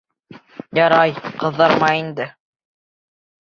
Ярай, ҡыҙарма инде.